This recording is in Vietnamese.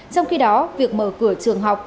trong khi đó việc mở cửa trường học